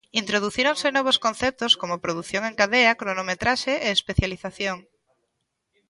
Introducíronse novos conceptos como produción en cadea, cronometraxe e especialización.